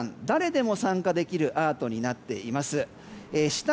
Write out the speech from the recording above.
誰でも参加できるアートになっています。